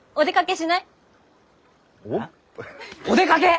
お出かけ！？